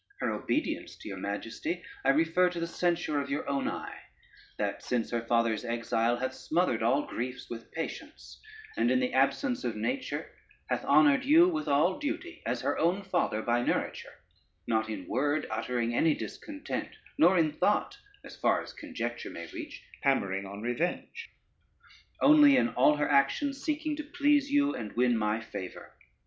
Her obedience to your majesty I refer to the censure of your own eye, that since her father's exile hath smothered all griefs with patience, and in the absence of nature, hath honored you with all duty, as her own father by nouriture, not in word uttering any discontent, nor in thought, as far as conjecture may reach, hammering on revenge; only in all her actions seeking to please you, and to win my favor.